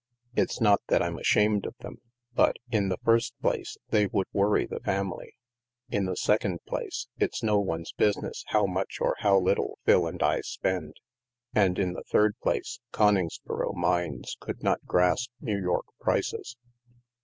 It's not 228 THE MASK that rm ashamed of them; but, in the first place, they would worry the family; in the second place, it's no one's business how much or how little Phil and I spend; and, in the third place, Coningsboro minds could not grasp New York prices."